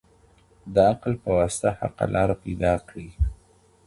د عقل په واسطه حق لاره پيدا کړئ.